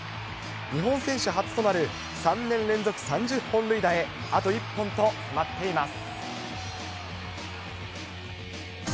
日本選手初となる３年連続３０本塁打へあと１本と迫っています。